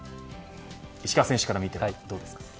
石川選手から見てどうですか。